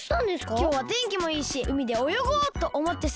きょうはてんきもいいしうみでおよごうとおもってさ。